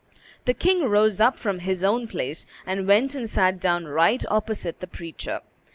The king rose up from his own place, and went and sat down right opposite the preacher.